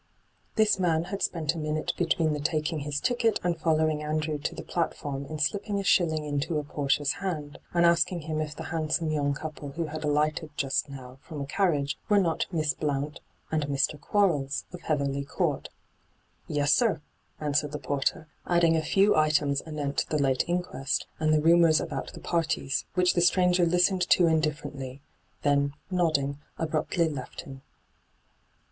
This man had spent a minute between the taking his ticket and following Andrew to the platform in slipping a shilling into a porter's hand, and asking him if ihe handsome young couple who had alighted just now from a carriage were not Miss Blount and Mr. Quarles, of Heatherly Court. * Yeasir,' answered the porter, adding a few items anent the late inquest and the rumours about the parties, which the stranger listened to indifferently, then, nodding, abruptly left him.